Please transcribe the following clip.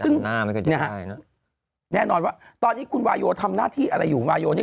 ซึ่งแน่นอนว่าตอนนี้คุณวาโยทำหน้าที่อะไรอยู่วาโยนี่